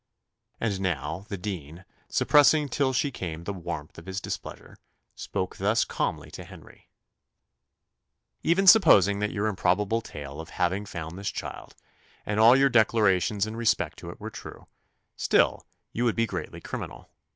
And now, the dean, suppressing till she came the warmth of his displeasure, spoke thus calmly to Henry: "Even supposing that your improbable tale of having found this child, and all your declarations in respect to it were true, still you would be greatly criminal.